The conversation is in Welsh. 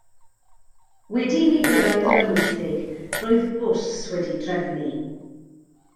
Wedi i mi gyrraedd yr Amwythig, roedd bws wedi'i drefnu.